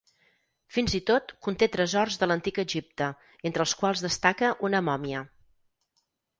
Fins i tot, conté tresors de l'antic Egipte, entre els quals destaca una mòmia.